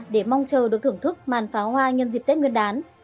để mong chờ được thưởng thức màn pháo hoa nhân dịp tết nguyên đán